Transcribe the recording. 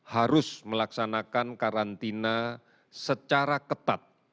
harus melaksanakan karantina secara ketat